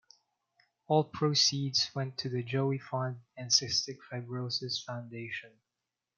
All proceeds went to the Joey Fund and Cystic Fibrosis Foundation.